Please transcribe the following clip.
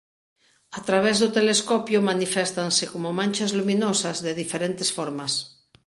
A través do telescopio maniféstanse como manchas luminosas de diferentes formas.